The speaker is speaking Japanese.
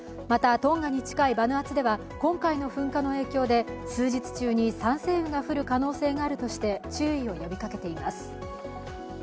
また、トンガに近いバヌアツでは今回の噴火の影響で数日中に酸性雨が降る可能性があるとして注意を呼びかけています。